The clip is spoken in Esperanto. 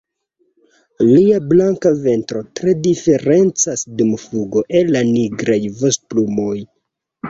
Lia blanka ventro tre diferencas dum flugo el la nigraj vostoplumoj.